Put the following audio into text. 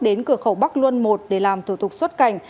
đến cửa khẩu bắc luân i để làm thủ tục xuất cảnh